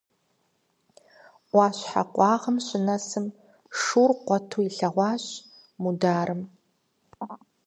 Ӏуащхьэ къуагъым щынэсым шур къуэту илъэгъуащ Мударым.